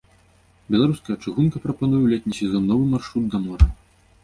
Беларуская чыгунка прапануе ў летні сезон новы маршрут да мора.